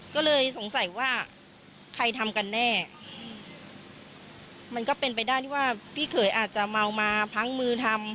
ก็เลยสงสัยว่าใครทำกันแน่มันก็เป็นไปได้ที่ว่าพี่เขยอาจจะเมามาพังมือทำ